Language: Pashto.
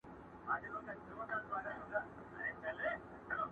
همدا ورته والی د کيسې درد نور هم ژور او دروند ښکاره کوي،